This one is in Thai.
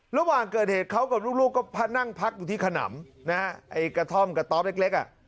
ระหว่างเกิดเหตุเขากับลูกก็นั่งพักอยู่ที่ขนำนะฮะไอ้กระท่อมกระต๊อบเล็กอ่ะ